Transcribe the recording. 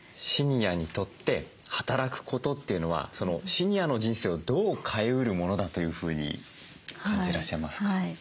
シニアにとって働くことっていうのはシニアの人生をどう変えうるものだというふうに感じてらっしゃいますか？